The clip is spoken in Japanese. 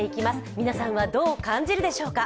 皆さんはどう感じるでしょうか。